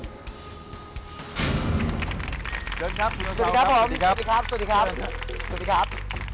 สวัสดีครับผมเพี้ยวโทษนะครับ